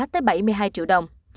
tới bảy mươi hai triệu đồng